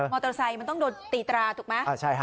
มอเตอร์ไซมันต้องโดนตีตราถูกมั้ย